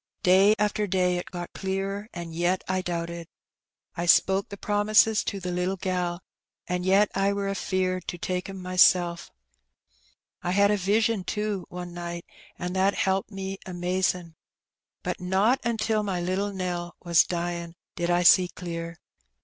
Day after day it got clearer^ an' yet I doubted. I spoke the promises to the little gal^ and yet I were afeard to take 'em mysel'. I had a vision^ too^ one night, an' that helped me amazin'. But not until my little Nell was dyin' did I see clear.